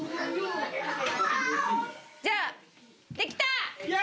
じゃあできた！